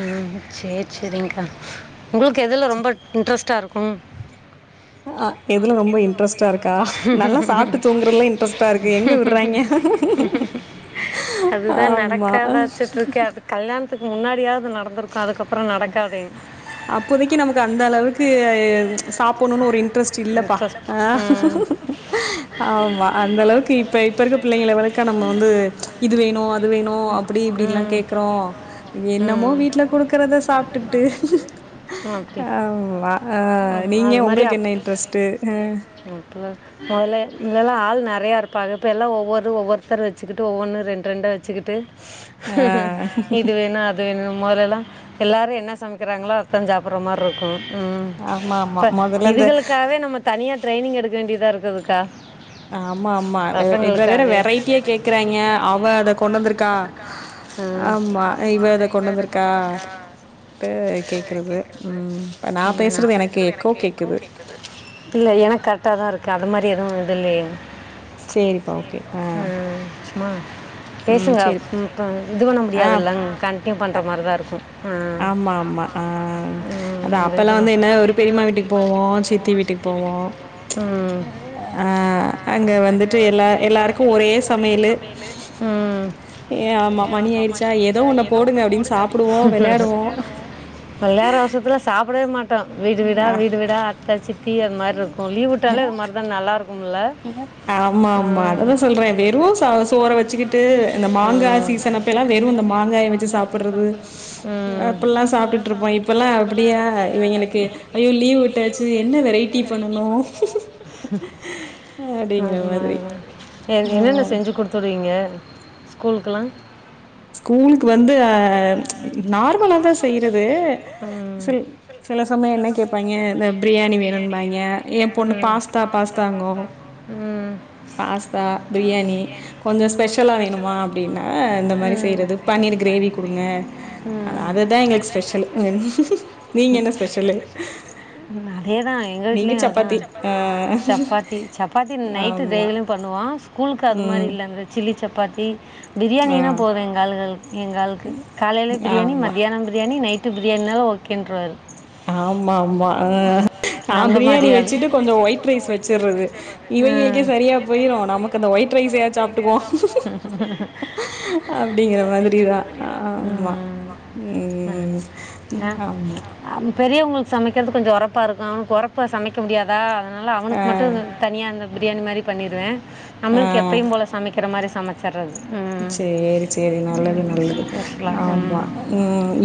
ம் சேரி சேரிங்க்கா உங்களுக்கு எதுல ரொம்ப இன்ட்ரஸ்ட்டா இரு க்கும்? ஆ எதுல ரொம்ப இன்ட்ரெஸ்டா இருக்கா நல்லா சாப்ட்டு தூங்குறதுல இன்ட்ரெஸ்ட்டா இருக்கு எங்க விடறாய்ங்க ஆமா ஆ த்துக்கு முன்னாடியாவது நடந்திருக்கு அதுக்கப் அ அப்போதைக்கி நமக்கு அந்த அளவுக்கு எது சாப்படணுன்னு ஒரு இன்ட்ரெஸ்ட் இல்லப்பா ஆ ஆமா அந்த அளவுக்கு இப்ப இப்ப இருக்க பிள்ளைங்கள வளக்க நம்ம வந்து இது வேணு அது வேணு அப்டி இப்டில்லா கேக்குறோ என்னமோ வீட்ல குடுக்கறத சாப்டுப்புட்டு ஆமா ஆ நீங்க உங்களுக்கு என்ன இன்ட்ரெஸ்ட்டு ஆ அப்பல்லா மொதல்ல இதெல்லா ஆள் நெறையா இருப்பாக இப்ப எல்லா ஒவ்வொரு ஒவ்வொருத்தர வச்சுக்கிட்டு ஒவ்வொன்னு ரெண் ரெண்ட வச்சுக்கிட்டு ஆ க்கு இது வேணு அது வேணு மொதல்ல எல்லா எல்லாரு என்ன சமைக்கிறாங்களோ அதத்தா சாப்படற மார இருக்கு. ம் இப்ப இதுகளுக்காகவே நம்ம தனியா ட்ரைனிங் எடு க்க வேண்டியதா இருக்குதுக்கா. ஆமா ஆமா எ இதுல வேற வெரைட்டியா கேக்குறாய்ங்க அவ அத கொண்டு வந்திருக்கா அம் ம் இல்ல எனக்கு கரெக்டாதா இருக்கு அ அது மாரி எதுவு இது இல்லயே சேரிப்பா ஓகே ஆ ஆமா பேசுங்க ம் இப்ப இது பண்ண மு டியாதல்லங் கண்டினியூ பண்ற மாரதா இருக்கு ஆமா ஆமா ஆ அதா அப்பல்லா வந்து என்ன ஒரு பெரியம்மா வீட்டுக்கு போவோ சித்தி வீட்டுக்கு போவோ அது ஆ அங்க வந்துட்டு எல்லா எல்லாருக்கு ஒரே சமையலு ஏ ஆமா மணி வெளையாடுற அவசரத்துல சா விடவே மாட் டோ வீடு வீடா வீடு வீடா அத்த சித்தி அது மாரி இருக்கு லீவ் விட்டாலே அது மாரிதா நல்லா இருக்குமல் ஆமா ஆமா அததா சொல்றே வெறு சாதோ சோற வச்சுக்கிட்டு இந்த மாங்கா சீசன் அப்ப எல்லா வெறு இந்த மாங்காய வெச்சு சாப்படறது அ அப்பல்லா சாப்ட்டுட்டு இருப்போ இப்பல்லா அப்படியா இவிங்களுக்கு ஐயோ லீவ் விட்டாச்சு என்ன வெரைட்டி பண்ணனு ஆமா ஆமா எது என்னென்ன செஞ்சு குடுத்துவிடுவீங்க ஸ்கூலுக்கெல்லா ஸ்கூலுக்கு வந்து ஆ நார்மலாதா செய்யறது சில் சில சமயோ என்ன கேப்பாய்ங்க இந்த பிரியாணி வேணும்பாய்ங்க யேன் பொண்ணு பாஸ்தா பாஸ்தாங்கு பாஸ்தா பிரியாணி கொஞ்ச ஸ்பெஷலா வேணும்மா அப்டின்னா அந்த மாரி செய்யறது பன்னீர் கிரேவி குடுங்க அ அதுதா எங்களுக்கு ஸ்பெஷலு நீங்க என்ன ஸ்பெஷலு? எங்க வீட்லயு அதா சப்பாத்தி சப்பாத்தி நைட்டு டெய்லியு பண்ணுவோ ஸ்கூலுக்கு அது மாரி இல்ல இந்த சில் லி சப்பாத்தி பிரியாணின்னா போவே எங்க எங்காளுகழுக்கு எங்காளுக்கு காலைல பிரியாணி மத்தியான பிரியாணி நைட் நைட்டு பிரியாணினாலு ஓகேன்றுவாரு ஆமா ஆமா ஆ நா பிரியாணி வச்சுட்டு கொஞ்ச ஒயிட் ரைஸ் வச்சிருறது இவைங்களுக்கே சரியா போயிரு நமக்கு அந்த ஒயிட் ரைஸ் ஆ சாப்டுக்குவோ அப்டிங்ற மாதிரி தா ஆமா உம் ஆமா பெரியவுங்களுக்கு சமக்கிறது கொஞ்ச ஒரப்ப இருக்கு ஒரப்பா சமக்க முடியாதா அதனால அவனுக்கு மட்டு தனியா இந்த பிரியாணி மாரி பண்ணிருவே நம்மளுக்கு எப்பயு போல சமக்ற மாரி சமச்சரது உம் சேரி சேரி நல்லது நல்லது ஆமா உ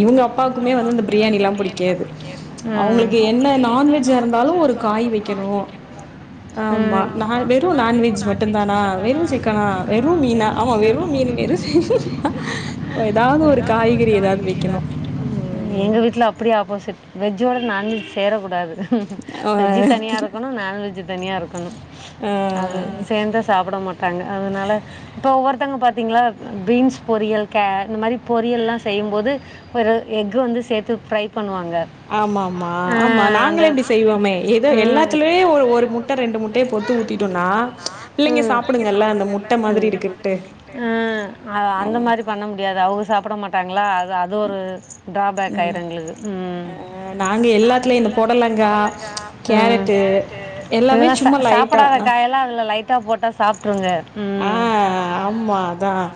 இவுங்க அப்பாக்குமே வந்து அந்த பிரியாணிலா பிடிக்காது அவுங்களுக்கு என்ன நான் வெஜா இருந்தாலு ஒரு காய் வெக்கணு ஆமா வெறு நான் வெஜ் மட்டு தானா வெறு சிக்கனா வெறு மீனா ஆமா வெறு மீனா வெறு மீன் வெறு சிக்கன் எதாவது ஒரு காய்கறி எதாவது வெக்கணு உம் வெஜ்ஜோட நான்வெஜ் சேரக்கூடாது வெஜ் தனியா இருக்கணு நான் வெஜ் தனியா இருக்கணு அது சேந்து சாப்ட மாட்டாங்க அதனால இப்ப ஒவ்வொருத்த பசங்க பாத்தீங்ளா பீன்ஸ் பொரியல் கே இந்த மாரி பொரியல்லா செய்யுபோது ஒரு எஃகு வந்து சேத்து ஃப்ரை ஆமாமா ஆமா நாங்ளே இப்டி செய்வோமே ஏதோ எல்லாதுலயே ஒரு முட்ட ரெண்டு முட்டய பொத்து ஊத்திட்டோனா பிள்ளங்க சாப்டுங்ல அந்த முட்ட மாதிரி இருக்குன்ட்டு அந்த மாரி பண்ண முடியாது அவுங்க சாப்டாம மாட்டாங்ளா அது ஒரு ட்ரா பேக் ஆயிடு எங்களுக்கு உம் நாங்க எல்லாத்லயு பொடலங்கா கேரட்டு சாப்டாத காய் எல்லா அதுல லைட்டா முட்ட போட்டா சாப்ருங்க ஆ ஆமா அதா அ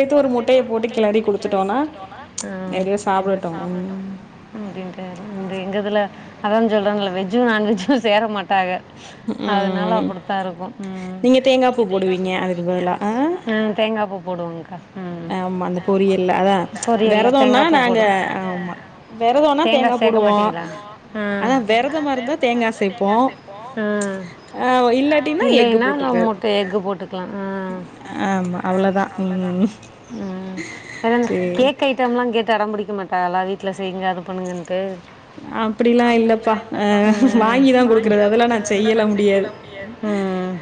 இதோட சேத்து ஒரு முட்டய போட்டு கெளறி குடுத்துடோனா உம் நெறய சாப்டட்டு அப்டி எங்கதுல அதான் சொல்றேன்ல வெஜ்ஜு நான் வெஜ்ஜு சேர மாட்டாக அதனால அப்டித்தா இருக்கு உம் நீங்க தேங்கா பூ போடுவீங்க அதுக்கு பதிலா ம் போடுவாங்க க்கா ஆமா அந்த பொரியல்ல அதா வெரதோனா நாங்க ஆமா வெரதோனா தேங்கா போடுவோ அதா விரதமா இருந்தா தேங்கா சேப்போ ஆ இல்லாட்டினா எஃக் போட்டுகுறது ஆமா அவ்ளதா உம் உ கேக் ஐட்டம்லா கே ட்டடோ பிடிக்க மாட்டாங்களா வீட்ல செய்யுங்க அது பண்ணுங்கன்ட்டு அப்டிலா இல்லப்பா வாங்கதா குடுக்கறது அதெல்லா நா செய்யலா முடியாது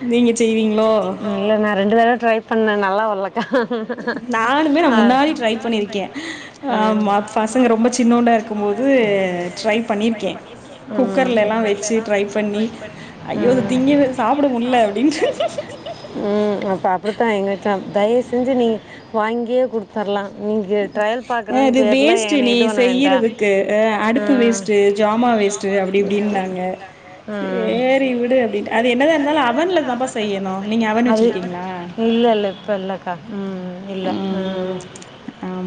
இல்லங்க ரெண்டு தடவ ட்ரை பண்ணே நல்லா வர்ல ஹ உ உ உ உ சாப் ஙக்கா தயவு செஞ்சு நீங்க வாங்கியே குடுத்தரலா நீங்க அ இது வேஸ்ட்டு நீ செய்றதுக்கு அ அடுப்பு வேஸ்ட்டு ஜாமா வேஸ்ட்டு அப்டி இப்டின்னாங்க சேரி விடு அப்டின்டு அது என்னதா இருந்தாலு அவன்ல தாப்பா செய்யணு நீங்க அவன் வச்சிருக்கீங்களா இல்ல இல்ல இப்ப இல்ல உ இல்ல உ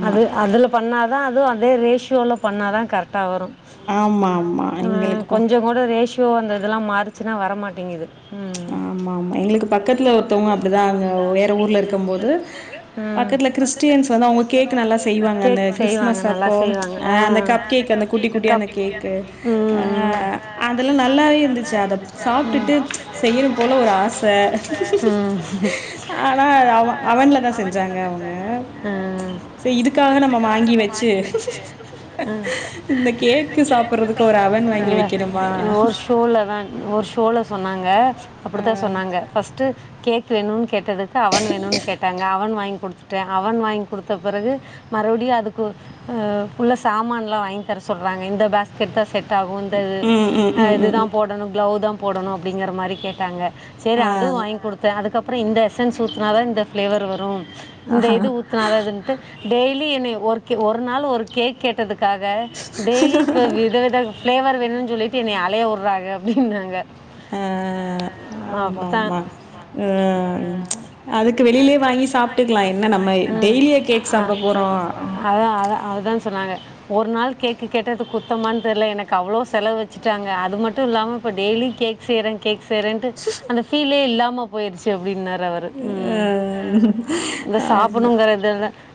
அது அதுல பண்ணா அ அதுவு அதே ரேஷியோல பண்ணா தா கரெட்டா வரு ஆமா ஆமா எங்களுக்குப்பா ஸோ அந்ததுலா மாறிச்சுனா வரமாட்டேங்குது ஆமா ஆமா எங்களுக்கு பக்கத்துல ஒருத்தவங்க அப்டிதா தா அது வேற ஊர்ல இருக்கும் போது பக்கத்துல கிறிஸ்டியன்ஸ் வந்து அவங்க கேக் நல்லா செய்வாங்க அந்த கிறிஸ்மஸ் அப்போ அந்த கப் கேக் அந்த குட்டி குட்டியா அந்த கேக்கு அ அதெல்லா நல்லாவே இருந்துச்சு அத சாப்ட்டுட்டு செய்யணு போல ஒரு ஆச அ இல்ல ஒரு ஷோல தா ஒரு ஷோல சொன்னாங்க அப்படித்தா சொன்னாங்க ஃபஸ்ட்டு கேக் வேணும்னு கேட்டதுக்கு அவன் வேணும்னு கேட்டாங்க அவன் வாங்கி குடுத்துட்டே அவன் வாங்கி குடுத்த பிறகு மறுபடியு அதுக்கு உள்ள சாமான் லா வாங்கி தர சொல்றாங்க இந்த பாஸ்கெட் தா செட் ஆகு இந்த இதுதா போடணு க்ளவ் தா போடணு அப்படிங்கிற மாரி கேட்டாங்க சேரி அதுவு வாங்கி குடுத் அதுக்கப்பறோ இந்த எசன்ஸ் ஊத்துனா தா இந்த ஃப்ளேவர் வரு இந்த இது ஊத்தனாதா இதுன்ட்டு டெய்லி என்னைய ஒர்கே ஒரு நாள் ஒரு கேக் கேட்டதுக்காக டெய்லி இப்போ விதவித ஃப்ளேவர் வேணும்ன்னு சொல்லிட்டு என்னய அலைய விட்றாங்க அப்டினாங்க ஆமா மா ஆ அதுக்கு வெளிலே வாங்கி சாப்பிட்டுக்கலா என்ன நம்ம டெய்லியா கேக் சாப்பிட போறோ சொன்னாங்க ஒரு நாள் கேக் கேட்டது குத்தமானு தெரில எனக்கு அவ்ளோ செலவு வச்சிட்டாங்க அது மட்டு இல்லாம இப்ப டெய்லி கேக் செய்ரே கேக் செய்ரேன்ட்டு அந்த ஃபீலே இல்லாம போயிருச்சு அப்டின்னாரு அவரு உ உ ஆமா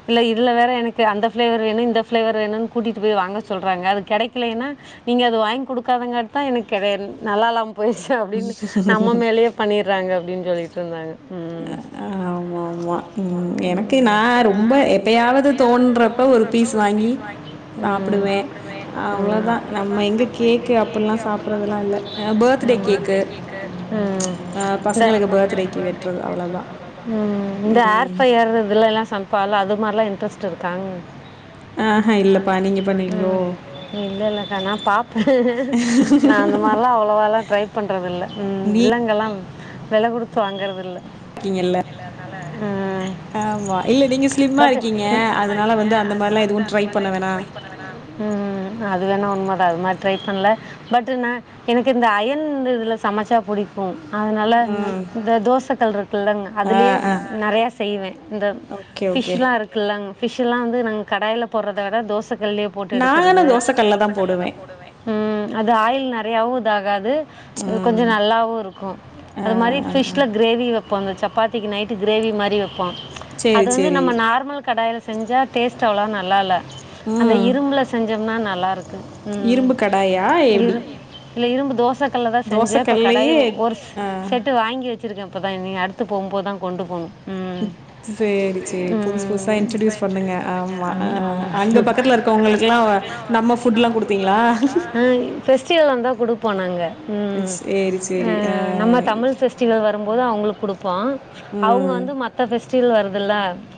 இல்ல இதில வேற எனக்கு அந்த ஃப்ளேவர் வேணு இந்த ஃப்ளேவர் வேணும்னு கூட்டிகிட்டு போய் வாங்க சொல்கிறாங்க அது கெடைக்கலேனா நீங்க அது வாங்கி குடுக்காதங்காட்டு தா எனக்கு கெ நல்லாலாம போய்சு அப்டின்னு நம்ம மேலயே பண்ணிடுறாங்க அப்டின்னு சொல்லிட்ருந்தாங்க உ உ உ உ பேத்டேக்கு வெட் உ இந்த ஆர்ஃபரயேர் இதுலலா சமச்சாலு அது இந்த மாரிலா இன்ட்ரஸ்ட் இருக்காங்க உ இல்லல்லக்கா நா பாப்பே நா அந்த மாரிலா அவ்ளவாலா ட்ரை பண்றது இல்ல உ பில்லங்கெல்லா வெல கொடுத் தாங்கறதில்ல கீங்கல்ல ஆமா இல்ல நீங்க ஸ்லிம் அ இருக்கீங்க அதனால வந்து அந்த மாரிலா ட்ரை பண்ண வேணா உ அது வேணா உண்ம தா அது மாரி ட்ரை பண்ல பட் நா எனக்கு இந்த அயன் இதுல சமைச்சா புடி கு அதுனால இந்த தோசைகல் இருக்குல்லங்க அதுலயே நிறையா செய்வே இந்த ஃபிஷ்லா இருக்குல்லைங்க ஃபிஷ்ஷெல்லா வந்து நாங்க கடாயில போடுறத விட தோச கல்லே போட்டு எடுக்குரது உ அது ஆயல் நிறையாவு [inaudible] ஆகாது இது கொஞ்சோ நல்லாவு இருக்கு அது மாரி பிஷ்ல கிரேவி வப் ப்போ அந்த சப்பாத்திக்கு நைட்டு கிரேவி மாரி வப் போ அது வந்து நம்ம நார்மல் கடாய்ல செஞ்சா டேஸ்ட்டு அவ்ளவா நல்லா இல்ல அந்த இரும்புல செஞ் ஞம்னா நல்லாருக் கு உ இல்ல இரும்பு தோச கல்ல தா செஞ்ச இப்ப கடாய ஒரு செட் கி வச்சிருக்கே இப்பதா இனிமே அடுத்து போம்போதா கொண்டு போனு சேரி சேரி புதுசு புதுசா இன்ட்ரடியூஸ் பண்ணுங்க ஆமா அ அங்க பக்கத்துல இருக்கவங்களுக்குல்லா நம்ம ஃபுட்லா குடுத்தீங்ளா போனாங்க உ அ நம்ம தமிழ் ஃபெஸ்டிவல் வரும்போது அவங்களுக்கு குடுப்போ அவங்க வந்து மத்த ஃபெஸ்ட் டீவல் வருதுல்ல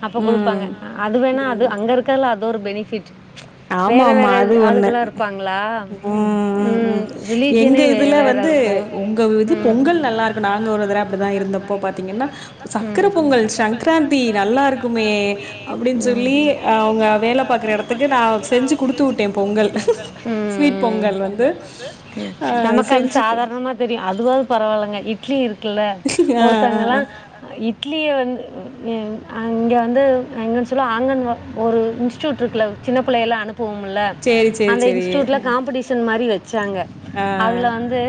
அப்ப கொடுப்பாங்க அது வேணா அது அங்க இருக்குரது அ ஒரு பெனிஃபிட் ஃபிட் ஆமா ஆமா அது ஒண்ணு க்கு ம் ம் ம் எங்க இதுல வந்து உங்க இது பொங்கல் நல்லா இருக் கு நாங்க ஒருதடவ அப்டிதா இருந்தப்போ பாத்தீங்கன்னா சக்கர பொங்கல் சங்கராந்தி நல்லா இருக்குமே அப்டின் சொல்லி அவங்க வேல பாக்குற எடத்துக் ம் ம் ம் ம் நமக்கு அது சாதாரணமா தெரியு அதுவா பரவால்லங்க இத் இட்லி இருக் க்குல்ல ஒருத்தங்கல்லா இட்லி இட்லிய வந்து அங்க வந்து எங்குன் சொல்ல ஆங்கன்து வ ஒரு இன்ஸ்டூட் இருக்குல சின்ன புள்ளை எல்லா அனுப் போமுல்ல அந்த இன்ஸ்டூட்ல காம்படிஷன் மாரி வெச்சாங்க அதுல வந்து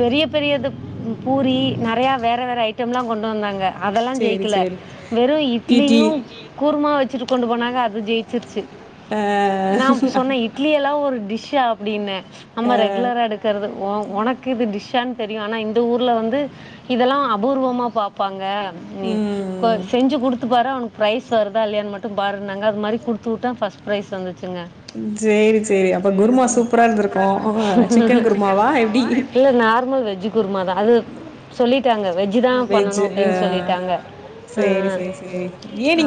பெரிய பெரியது பூரி நெறையா வேற வேற ஐட்டம்லா கொண்டு வந்தாங்க அதெல்லா ஜெயிக்கல வெறு இட்லியு குர்மா வெச் வெச்சிட்டு கொண்டு போனாங்க அது ஜெயிச்சுருச்சு நா சொன்ன இட்லி எல்லா ஒருன் டிஷ்ஷா அப்டின்ன அம்மா ரெகுலரா எடுக்குறது ஒ ஒனக்கு இது டிஷ்ஷான் தெரியான இந் இந்த ஊர்ல வந்து இதெல்லா அபூர்வமா பாப்பாங்க நீ கொ செஞ்சு கொடுத்துப்பாரு அவனுக் பிரைஸ் வருதா இல்லையான் மட்டும் பாருன்னாங்க அது மாரி குடுத்து உட்ட ஃபஸ்ட்டு பிரைஸ் வந்துரு ச்சுங்க இல்ல நார்மல் வெஜ்ஜி குருமாதா அது சொல்லி டாங்க வெஜ்ஜுதா பண்ணனு அப்டின் சொல்லிட்டாங்க ஆ ஆ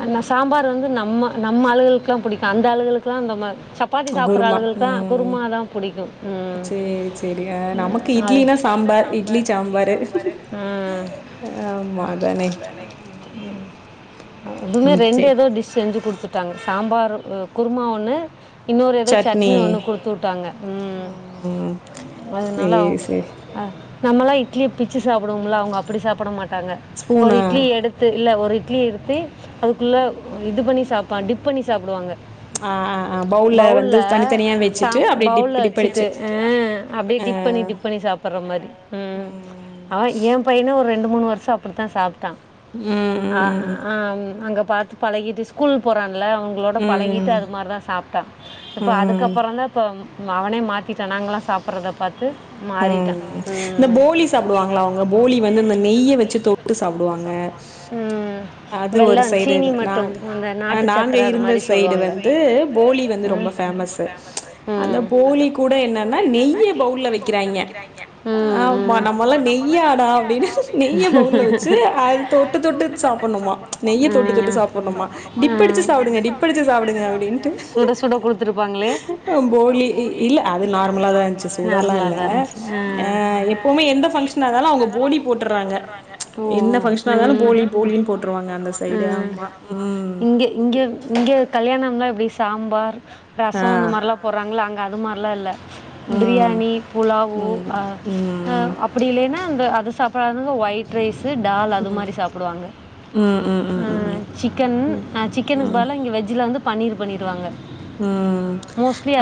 அது நா சாம்பார் வந்து நம் நம்ம நம்ம ஆளுகளுக்குலாம் புடிக்கு அந்தாளுகளுக்கெல்லா அந்த மா சப்பாத்தி சாப்புற ஆளுகளுக்குல்லா குருமாதா புடிக்கு ம்ம் அது அ ம் இதுமே ரெண்டு எதோ டிஷ் செஞ்சு குடுத் டாங்க சாம்பார் குருமா ஒன்னு இன்னொரு எதோ சட்னி ஒன்னு குடுத்து உட்டாங்க ம் சேரி சேரி நம்மல்லா இட்லிய பிச்சு சாப்புடுவோம்ல அவங்க அப்டி சாப்பட மாட் டாங்க ஒரு இட்லி எடுத்து இல்ல ஒரு இட் இட்லி எடுத்து அதுக்குள்ள இது பண்ணி சாப்பான் டிப் பண்ணி சாப்புடுவாங்க ஆ ஆ ஆ பவுல்ல வந்து தனித்தனியா வெச்சுட்டு அப் பவுல்ல வச்சுட்டு ஆ அப்டியே டிப் பண்ணி டிப் பண்ணி சாப்புட்ற மாரி ம் ஆ எ பையனு ரெண்டு மூணு வருஷ அப்பிடித்தா சாப்ட்டா அ ஆ அங்க பாத்து பழகிட்டு ஸ்கூல் போறா ல்ல அவுங்களோட பழகிட்டு அது மாரி தா சாப் டா இப்ப அதுக்கப்பறந்தா இப்ப மவனே மாத்திட்டா நாங்கலா சாப்புறத பாத்து மாறி ம் இந்த போளி சாப்புடுவாங்ளா அவுங்க போளி வந்து இந்த நெய்ய வச்சு தொட்டு சாப்புடுவாங்க அது ஒரு சைடு நாங்க அ நாங்க இருந்த சைடு வந்து போளி வந்து ரொம்ப ஃபேமஸு அந்த போளி கூட என்னன்னா நெய்ய பவுல்ல வக்கிறாய்ங்க ஆமா நம்மல்லா நெய்யாடா அப்டின்னு நெய்ய பவுல்ல வச்சு அது தொட்டு தொட்டு சாப்புன்னுமா நெய்ய தொட்டு தொட்டு சாப்புன்னுமா டிப்படிச்சு சாப்புடுங்க டிப்படிச்சு சாப்புடுங்க அப்டின்ட்டு அ போ ளி இ இல்ல அது நார்மலா தா இந்ச்சு சூடால்லா இல்ல ஆ எப்பவ்மே எந்த ஃபங்ஷனா இருந்தாலு அவுங்க போளி போட்டுர்றாங்க என்ன ஃபங்ஷனா இருந்தாலு போளி போளின் போட்ருவாங்க அந்த சைடு ஆமா ம் ம்லா எப்டி சாம்பார் ரசொ இந்த மார்லா ங்ள அங்க அது மார்லா இல்ல பிரியாணி புலாவு அ அ அப்டி இல்லைனா இந்த அது சாப்புடாததுக ஒயிட் ரைஸ் ஸு டால் அது மாரி சாப்புடுவாங்க ஆ சிக்கன் அ சிக்கனுக்கு பதிலா இங்க வெஜ்ஜுல லந்து பன்னீரு பண்ணிருவாங்க ம்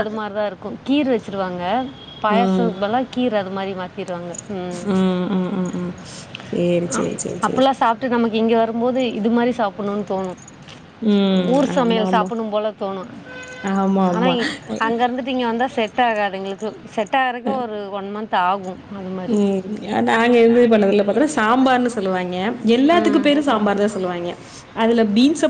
அது மாரிதா இருக்கு கீர் வச்சுருவாங்க பாயாசோக்கு பதிலா கீர் அ து மாரி மாத்தி ருவாங்க ம் அப்பில்லா சாப்ட்டு நமக்கு இங்க வ ரும் போது இது மாரி சாப்புனுன் தோணு ம் ஆமாமா ஆமாமா அங்கர்ந்துட்டு இங்க வந் தா செட் ஆகாது எங்ளுக்கு செட் டாரக்கு ஒரு ஒன் மன்த் தாகு ம் நாங்க இது பண்ணதுல பாத்தன்னா சாம்பார்ன்னு சொல்லுவாங்கே எல்லாத்துக்கு பேரு சாம்பார்தா சொல்லுவாங்கே அதுல பீன்ஸ்